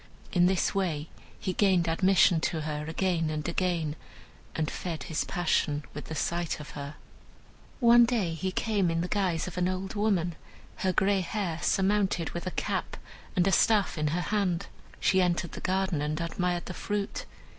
In this way he gained admission to her again and again, and fed his passion with the sight of her. One day he came in the guise of an old woman, her gray hair surmounted with a cap, and a staff in her hand. She entered the garden and admired the fruit.